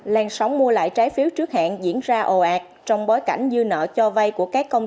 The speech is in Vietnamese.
làn sóng mua lại trái phiếu trước hẹn diễn ra ồ ạt trong bối cảnh dư nợ cho vay của các công ty